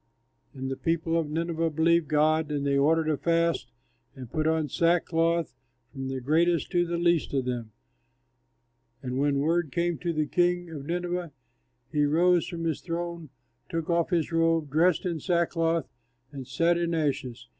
And the people of Nineveh believed God; and they ordered a fast and put on sackcloth, from the greatest to the least of them. And when word came to the king of Nineveh, he rose from his throne, took off his robe, dressed in sackcloth, and sat in ashes.